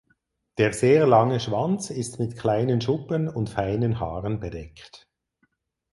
Der sehr lange Schwanz ist mit kleinen Schuppen und feinen Haaren bedeckt.